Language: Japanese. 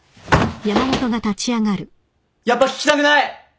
やっぱ聞きたくない！